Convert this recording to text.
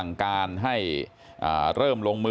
มต้นหนาเอาไปดูคลิปก่อนครับ